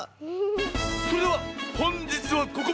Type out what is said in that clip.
それではほんじつはここまで。